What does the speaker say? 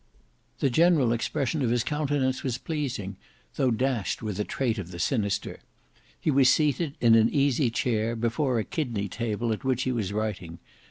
The general expression of his countenance was pleasing, though dashed with a trait of the sinister. He was seated in an easy chair, before a kidney table at which he was writing.